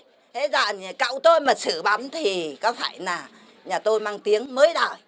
thế giờ cạo tôi mà xử bấm thì có phải là nhà tôi mang tiếng mới đời